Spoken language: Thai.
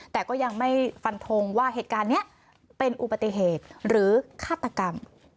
แต่ก็ยังไม่ฟันทงว่าเหตุการณ์นี้เป็นอุบัติเหตุหรือฆาตกรรม